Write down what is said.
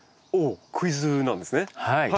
おおクイズなんですねはい。